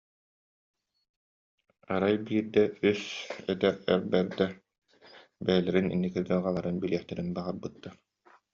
Арай биирдэ үс эдэр эр бэрдэ бэйэлэрин инники дьылҕаларын билиэхтэрин баҕарбыттар